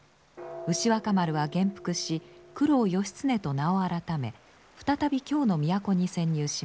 牛若丸は元服し九郎義経と名を改め再び京の都に潜入します。